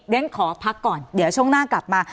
เดี๋ยวนี้ขอพักก่อนเดี๋ยวช่วงหน้ากลับมา